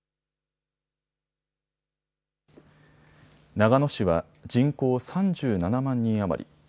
長野市は人口３７万人余り。